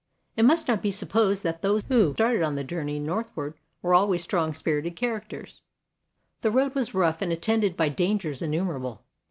It must not be supposed that those who started on the journey northward were always strong spirited characters. The road was rough and attended by dangers innumerable.